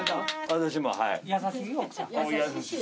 私もはい。